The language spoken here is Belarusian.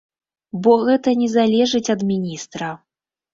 Бо гэта не залежыць ад міністра.